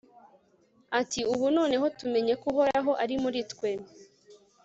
ati ubu noneho tumenye ko uhoraho ari muri twe